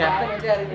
sampai nanti hari ini